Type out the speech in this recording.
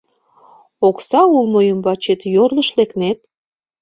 Окса улмо ӱмбачат йорлыш лекнет.